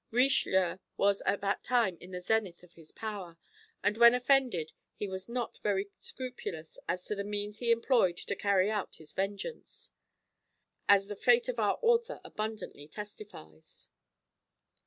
Richelieu was at that time in the zenith of his power, and when offended he was not very scrupulous as to the means he employed to carry out his vengeance, as the fate of our author abundantly testifies.